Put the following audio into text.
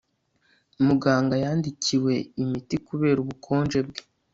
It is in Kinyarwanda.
Muganga yandikiwe imiti kubera ubukonje bwe